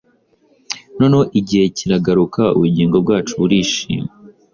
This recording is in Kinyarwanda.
Noneho igihe kiragaruka: Ubugingo bwacu burishima,